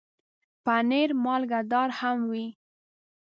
پنېر مالګهدار هم وي.